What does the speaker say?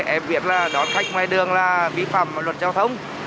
em biết là đón khách ngoài đường là bí phẩm luật giao thông